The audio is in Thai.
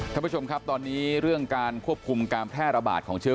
ท่านผู้ชมครับตอนนี้เรื่องการควบคุมการแพร่ระบาดของเชื้อ